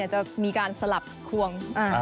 จะมีการสลับควง